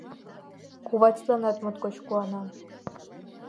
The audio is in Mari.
Кува тидланат моткоч куана.